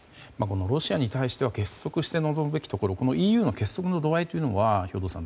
ロシアに対しては結束して臨むべきところをＥＵの結束の度合い兵頭さん